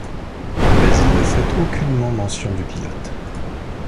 Mais il ne fait aucunement mention du pilote.